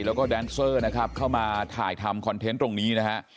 แล้วก็แดนเซอร์นะครับเข้ามาถ่ายทำคอนเทนต์ตรงนี้นะฮะ